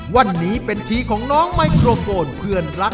วันนี้เป็นทีของน้องไมโครโฟนเพื่อนรัก